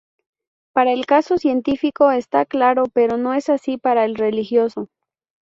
Para el caso científico está claro, pero no así para el religioso.